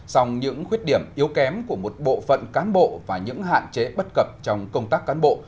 sòng những khuyết điểm yếu kém của một bộ phận cán bộ và những hạn chế bất cập trong công tác cán bộ